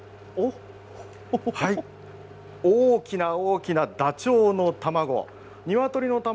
大きな大きなダチョウの卵。